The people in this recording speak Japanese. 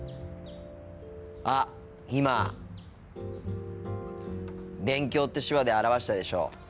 あっ今「勉強」って手話で表したでしょ。